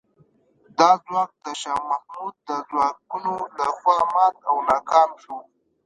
دا ځواک د شاه محمود د ځواکونو له خوا مات او ناکام شو.